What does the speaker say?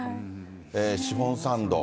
シフォンサンド。